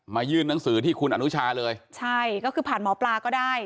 ยื่นหนังสือที่คุณอนุชาเลยใช่ก็คือผ่านหมอปลาก็ได้